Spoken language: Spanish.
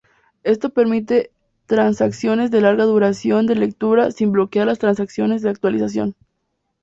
Esto permite transacciones de larga duración de lectura sin bloquear las transacciones de actualización.